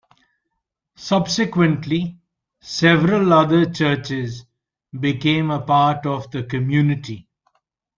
Subsequently, several other churches became a part of the community.